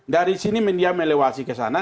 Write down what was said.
dari sini media melewati ke sana